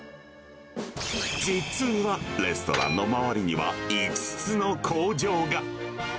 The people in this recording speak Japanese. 実は、レストランの周りには５つの工場が。